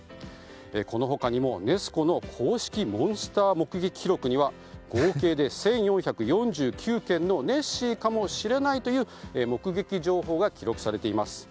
この他にも、ネス湖の公式モンスター目撃記録には合計で１１４９件のネッシーかもしれないという目撃情報が記録されています。